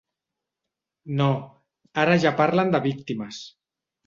No, ara ja parlen de víctimes.